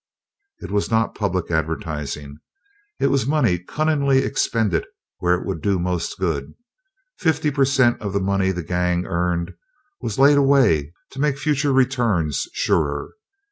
It was not public advertising; it was money cunningly expended where it would do most good. Fifty per cent of the money the gang earned was laid away to make future returns surer.